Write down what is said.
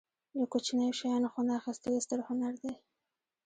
له کوچنیو شیانو خوند اخستل ستر هنر دی.